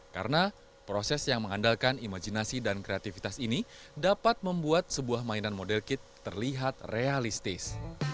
karena proses yang mengandalkan imajinasi dan kreativitas ini dapat membuat sebuah mainan model kit terlihat realistis